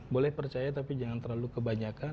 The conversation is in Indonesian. boleh percaya tapi jangan terlalu kebanyakan